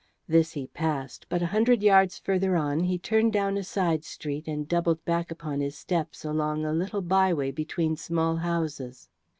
This he passed, but a hundred yards farther on he turned down a side street and doubled back upon his steps along a little byway between small houses.